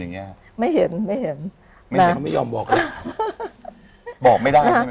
บอกไม่ได้ใช่มั้ย